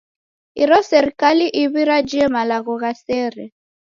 Iro serikali iw'i rajie malagho gha sere.